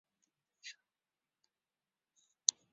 一切儿童,无论婚生或非婚生,都应享受同样的社会保护。